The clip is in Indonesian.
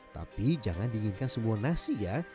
tapi jangan dinginkan semua nasi ya